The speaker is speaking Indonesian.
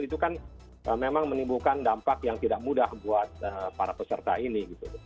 itu kan memang menimbulkan dampak yang tidak mudah buat para peserta ini